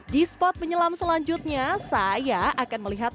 di spot menyelam selanjutnya saya akan menemukan